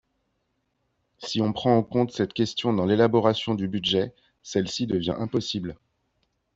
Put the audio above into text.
Si on prend en compte cette question dans l’élaboration du budget, celle-ci devient impossible.